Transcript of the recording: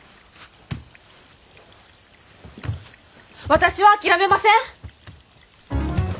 私は諦めません！